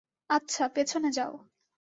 আচ্ছা, পেছনে যাও।